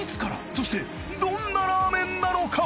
そしてどんなラーメンなのか？